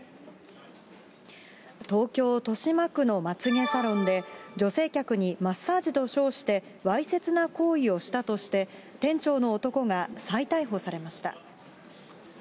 東京・豊島区のまつ毛サロンで、女性客にマッサージと称してわいせつな行為をしたとして、店長の男が再逮捕されました。